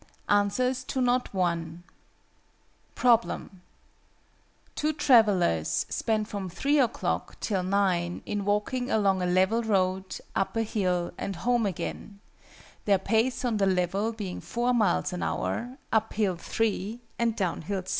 ANSWERS TO KNOT I. Problem. "Two travellers spend from 3 o'clock till 9 in walking along a level road, up a hill, and home again: their pace on the level being 4 miles an hour, up hill 3, and down hill 6.